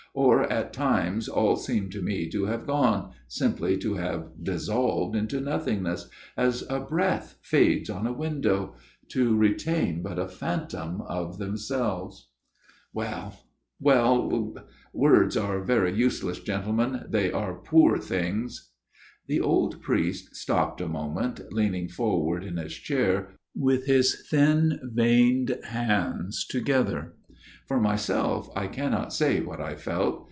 Or at times all seemed to me to have gone, simply to have dissolved into nothingness, as a breath fades on a window to retain but a phantom of themselves. 130 A MIRROR OF SHALOTT " Well, well words are very useless gentlemen ; they are poor things " The old priest paused a moment, leaning for ward in his chair with his thin veined hands together. For myself I cannot say what I felt.